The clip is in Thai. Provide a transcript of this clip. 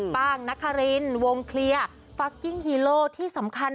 ป้างนครินวงเคลียร์ฟักกิ้งฮีโร่ที่สำคัญ